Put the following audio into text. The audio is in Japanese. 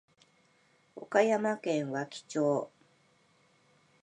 岡山県和気町